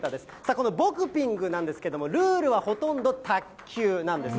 このボクピングなんですけども、ルールはほとんど卓球なんです。